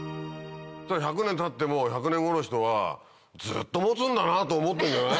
１００年たっても１００年後の人はずっと持つんだなと思ってんじゃない？